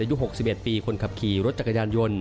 อายุ๖๑ปีคนขับขี่รถจักรยานยนต์